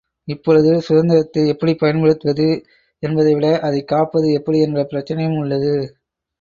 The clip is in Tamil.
இப்பொழுது சுதந்திரத்தை எப்படிப் பயன்படுத்துவது என்பதை விட அதைக் காப்பது எப்படி என்ற பிரச்சனையும் உள்ளது.